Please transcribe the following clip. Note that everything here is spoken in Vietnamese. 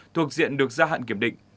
thuộc diện được ra hạn kiểm định